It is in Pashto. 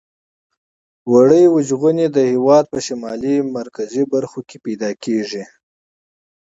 وړۍ وژغنې د هېواد په شمالي مرکزي برخو کې پیداکیږي.